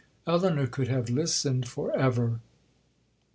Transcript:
Elinor could have listened for ever.